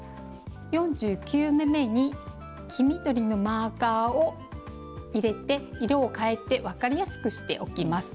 ４９目めに黄緑のマーカーを入れて色を変えて分かりやすくしておきます。